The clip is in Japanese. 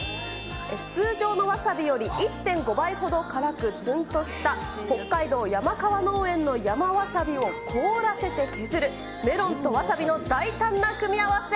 通常のワサビより１．５倍ほど辛く、つんとした、北海道・山川農園の山ワサビを凍らせて削る、メロンとワサビの大胆な組み合わせ。